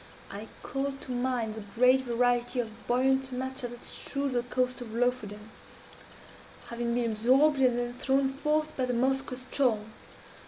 I called to mind the great variety of buoyant matter that strewed the coast of Lofoden, having been absorbed and then thrown forth by the Moskoe ström.